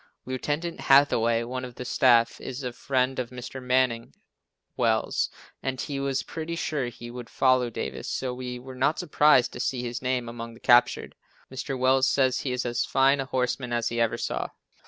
Lieutenant Hathaway, one of the staff, is a friend of Mr. Manning Wells, and he was pretty sure he would follow Davis, so we were not surprised to see his name among the captured. Mr. Wells says he is as fine a horseman as he ever saw.